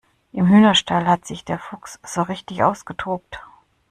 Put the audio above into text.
Im Hühnerstall hat sich der Fuchs so richtig ausgetobt.